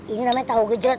ini namanya tau gejerat